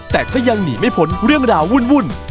แต่ก็ยังหนีไม่พ้นเรื่องราววุ่น